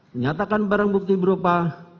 menyatakan barang bukti berupa